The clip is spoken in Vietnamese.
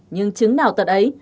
nhưng chứng nào tật ấy